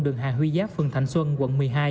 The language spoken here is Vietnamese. đường hà huy giáp phường thạnh xuân quận một mươi hai